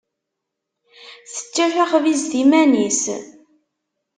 Tečča taxbizt iman-is.